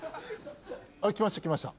来ました来ました。